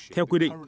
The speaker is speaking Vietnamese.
theo quy định